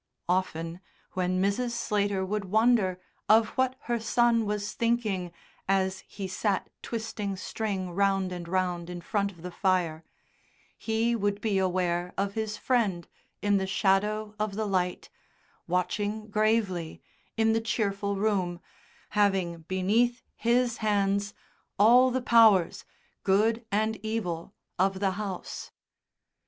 Often when Mrs. Slater would wonder of what her son was thinking as he sat twisting string round and round in front of the fire, he would be aware of his Friend in the shadow of the light, watching gravely, in the cheerful room, having beneath his hands all the powers, good and evil, of the house.